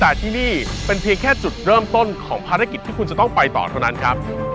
แต่ที่นี่เป็นเพียงแค่จุดเริ่มต้นของภารกิจที่คุณจะต้องไปต่อเท่านั้นครับ